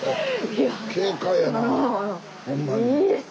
いやいいですね。